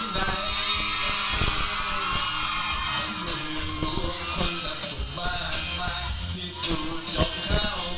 ถ้าเธอเห็นจริงแล้วอย่าต้องรักใคร